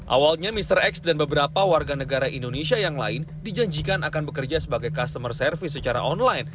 awalnya mr x dan beberapa warga negara indonesia yang lain dijanjikan akan bekerja sebagai customer service secara online